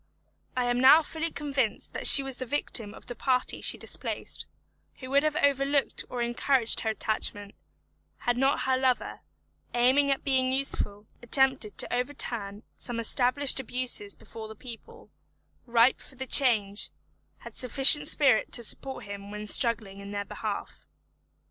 I am now fully convinced that she was the victim of the party she displaced, who would have overlooked or encouraged her attachment, had not her lover, aiming at being useful, attempted to overturn some established abuses before the people, ripe for the change, had sufficient spirit to support him when struggling in their behalf.